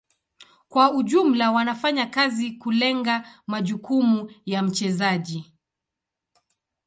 Kwa ujumla wanafanya kazi kulenga majukumu ya mchezaji.